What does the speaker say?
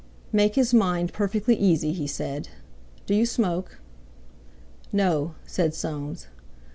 "Make his mind perfectly easy," he said. "Do you smoke?" "No," said Soames.